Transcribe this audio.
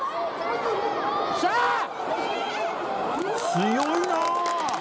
強いな！